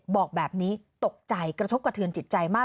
บอกแบบนี้ตกใจกระทบกระเทือนจิตใจมาก